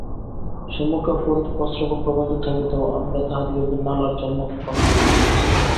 সম্মুখে অফুরন্ত প্রস্রবণ প্রবাহিত থাকিতেও আমরা তাহাদিগকে নালার জলমাত্র পান করিতে দিয়াছি।